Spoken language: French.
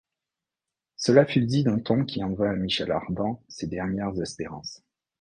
Cela fut dit d’un ton qui enleva à Michel Ardan ses dernières espérances.